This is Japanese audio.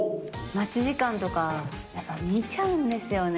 待ち時間とか、やっぱ見ちゃうんですよね。